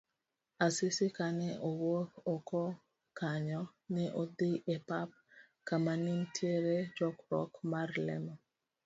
Asisi kane owuok oko kanyo, ne odhi e pap kama nenitiere chokruok mar lemo.